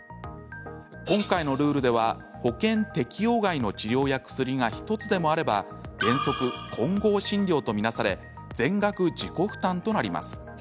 今回のルールでは保険適用外の治療や薬が１つでもあれば原則、混合診療と見なされ全額自己負担となります。